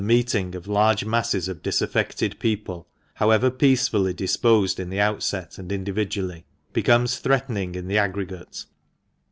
meeting of large masses of disaffected people, however peacefully disposed in the outset, and individually, becomes threatening in the aggregate.